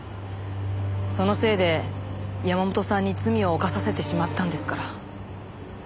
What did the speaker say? そのせいで山本さんに罪を犯させてしまったんですから。